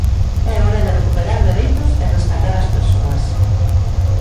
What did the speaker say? É hora de recuperar dereitos e rescatar as persoas.